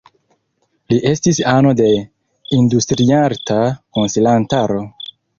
Li estis ano de Industriarta Konsilantaro.